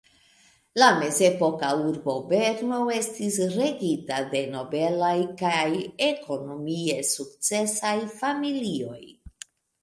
La mezepoka urbo Berno estis regita de nobelaj kaj ekonomie sukcesaj familioj.